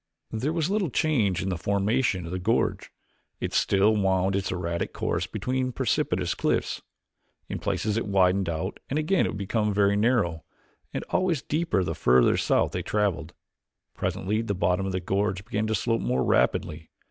There was little change in the formation of the gorge; it still wound its erratic course between precipitous cliffs. In places it widened out and again it became very narrow and always deeper the further south they traveled. Presently the bottom of the gorge began to slope more rapidly.